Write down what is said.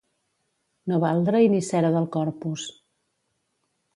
No valdre-hi ni cera del Corpus.